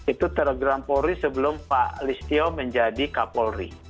itu telegram polri sebelum pak listio menjadi kapolri dua ribu sembilan belas